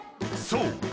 ［そう。